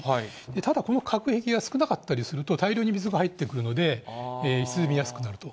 ただ、この隔壁が少なかったりすると、大量に水が入ってくるので、沈みやすくなると。